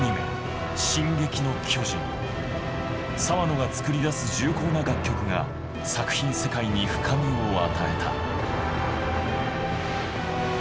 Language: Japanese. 澤野が作り出す重厚な楽曲が作品世界に深みを与えた。